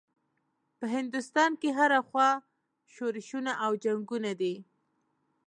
په هندوستان کې هره خوا شورشونه او جنګونه دي.